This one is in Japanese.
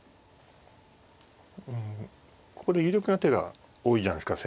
うんここで有力な手が多いじゃないですか